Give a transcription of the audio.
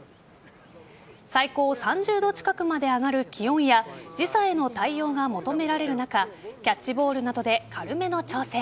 最高３０度近くまで上がる気温や時差への対応が求められる中キャッチボールなどで軽めの調整。